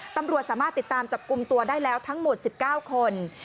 ตำรวจสามารถติดตามจับกลุ่มตัวได้แล้วทั้งหมด๑๙คน